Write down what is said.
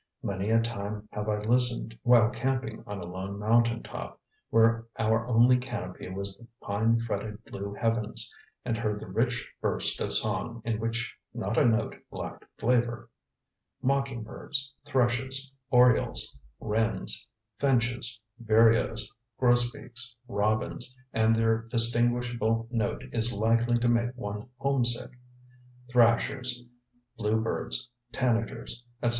Many a time have I listened while camping on a lone mountaintop, where our only canopy was the pine fretted blue heavens, and heard the rich burst of song in which not a note lacked flavor; mocking birds, thrushes, orioles, wrens, finches, vireos, grosbeaks, robins (and their distinguishable note is likely to make one homesick) thrashers, blue birds, tanagers, etc.